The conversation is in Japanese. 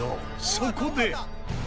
そこで。